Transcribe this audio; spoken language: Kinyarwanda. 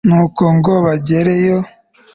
nuko ngo bagere yo